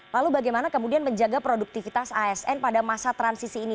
lalu bagaimana kemudian menjaga produktivitas asn pada masa transisi ini